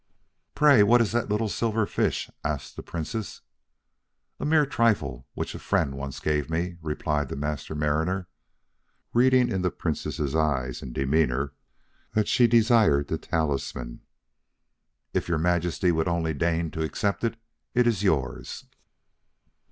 "Pray, what is that little silver fish?" asked the Princess. "A mere trifle which a friend once gave me," replied the Master Mariner, reading in the Princess's eyes and demeanor that she desired the talisman. "If Your Majesty will only deign to accept it, it is yours."